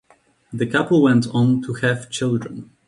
The couple went on to have children.